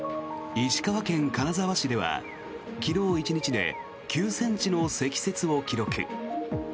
石川県金沢市では昨日１日で９ｃｍの積雪を記録。